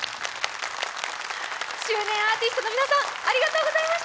周年アーティストの皆さんおめでとうございます。